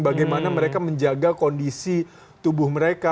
bagaimana mereka menjaga kondisi tubuh mereka